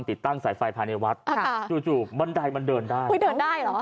ติดตั้งสายไฟภายในวัดอ่าค่ะจู่จู่บันไดมันเดินได้อุ้ยเดินได้เหรอ